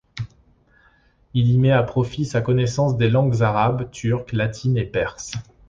Il y met à profit sa connaissance des langues arabe, turque, latine et perse.